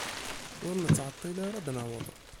Ur nettɛeṭṭil ara ad naweḍ.